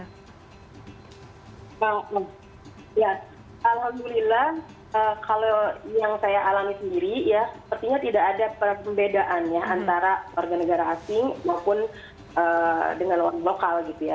ya alhamdulillah kalau yang saya alami sendiri ya sepertinya tidak ada perbedaan ya antara warga negara asing maupun dengan orang lokal gitu ya